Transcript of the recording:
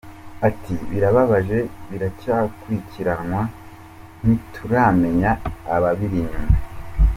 Ati "Birababaje, biracyakurikiranwa ntituramenya ababiri inyuma.